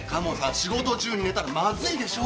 仕事中に寝たらまずいでしょう！